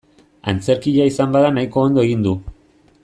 Antzerkia izan bada nahiko ondo egin du.